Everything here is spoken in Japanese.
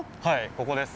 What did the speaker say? ここです。